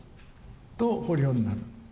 と捕虜になる。